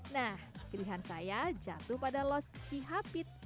nah pilihan saya jatuh pada los cihapit